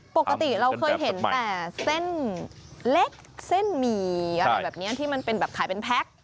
ปกติเราเคยเห็นแต่เส้นเล็กเส้นหมี่อะไรแบบนี้ที่มันเป็นแบบขายเป็นแพ็ค